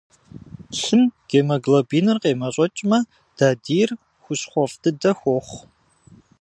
Лъым гемоглобиныр къемэщӏэкӏмэ, дадийр хущхъуэфӏ дыдэ хуохъу.